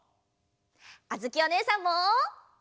あづきおねえさんも！